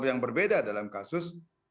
yang berbeda dalam kasus